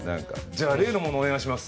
じゃあ例のものお願いします。